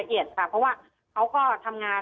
ตอนที่จะไปอยู่โรงเรียนจบมไหนคะ